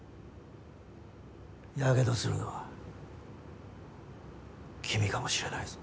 火傷するのは君かもしれないぞ。